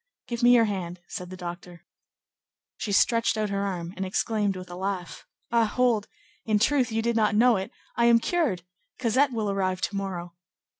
"Give me your hand," said the doctor. She stretched out her arm, and exclaimed with a laugh:— "Ah, hold! in truth, you did not know it; I am cured; Cosette will arrive to morrow."